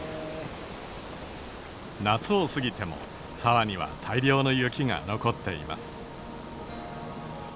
夏を過ぎても沢には大量の雪が残っています。